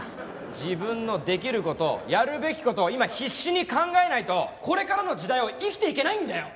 自分のできる事やるべき事を今必死に考えないとこれからの時代を生きていけないんだよ！